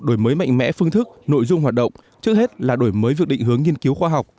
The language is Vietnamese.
đổi mới mạnh mẽ phương thức nội dung hoạt động trước hết là đổi mới việc định hướng nghiên cứu khoa học